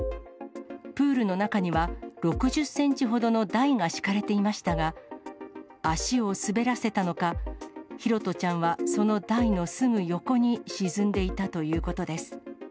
プールの中には、６０センチほどの台が敷かれていましたが、足を滑らせたのか、拓杜ちゃんは、その台のすぐ横に沈んでいたということです。